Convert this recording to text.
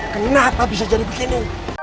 kenapa bisa jadi begini